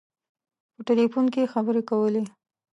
په ټلفون کې خبري کولې.